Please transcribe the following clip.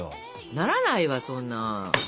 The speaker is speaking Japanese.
ならないわそんな。